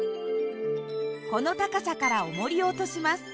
この高さからおもりを落とします。